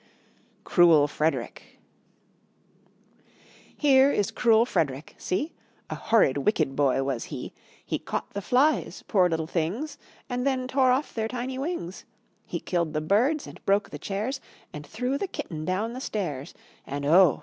Cruel Frederick Here is cruel Frederick, see! A horrid wicked boy was he; He caught the flies, poor little things, And then tore off their tiny wings, He killed the birds, and broke the chairs, And threw the kitten down the stairs; And oh!